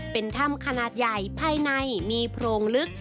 เป็นถ้ำขนาดใหญ่ภายในมีโพรงลึก